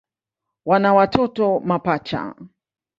Wana watoto mapacha.